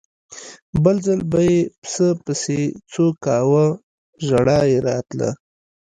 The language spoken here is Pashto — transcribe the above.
بل ځل به یې پسه پسې څو کاوه ژړا یې راتله.